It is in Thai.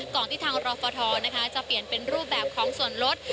ก่อนที่ทางรฟทจะเปลี่ยนเป็นรูปแบบของส่วนลด